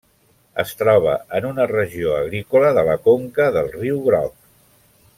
Es troba en una regió agrícola de la conca del Riu Groc.